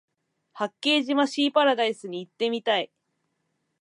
八景島シーパラダイスに行ってみたい